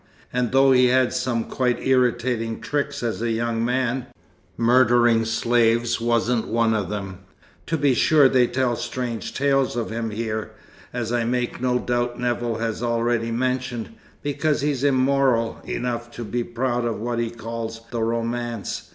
And though he had some quite irritating tricks as a young man, murdering slaves wasn't one of them. To be sure, they tell strange tales of him here, as I make no doubt Nevill has already mentioned, because he's immoral enough to be proud of what he calls the romance.